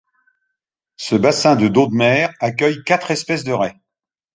Ce bassin de d’eau de mer accueille quatre espèces de raies.